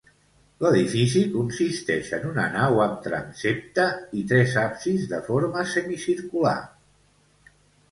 L'edifici consisteix en una nau amb transsepte i tres absis de forma semicircular.